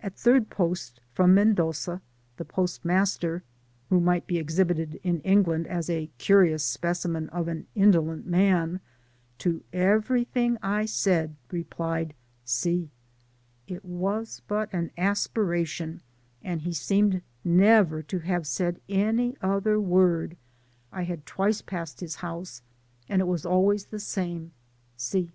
At third post from Mendoza, a post master, who might be exhibited in England as a curious specimen of an indolent man, to every thing I 3aid, he replied " Si^ — ^it was but an aspiration, and he seemed never to have said any other word — I bad twice passed his house, and it was always the «ame Si !